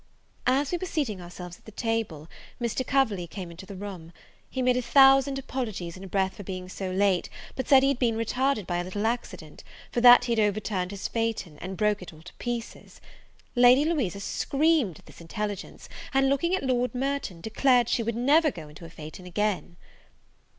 As we were seating ourselves at the table, Mr. Coverley came into the room; he made a thousand apologies in a breath for being so late, but said he had been retarded by a little accident, for that he had overturned his phaeton, and broke it all to pieces. Lady Louisa screamed at this intelligence, and, looking at Lord Merton, declared she would never go into a phaeton again.